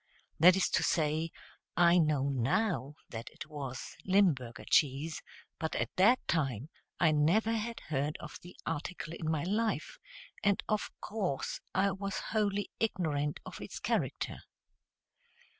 That is to say, I know now that it was Limburger cheese, but at that time I never had heard of the article in my life, and of course was wholly ignorant of its character.